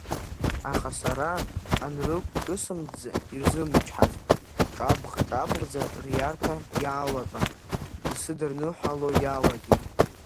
Аха сара анрықәҿысымҭӡа, ирзымчҳазт, иҿабӷ-ҿабӷӡа риарҭа иаалатәан, исыдырныҳәало иалагеит.